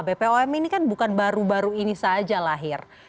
bpom ini kan bukan baru baru ini saja lahir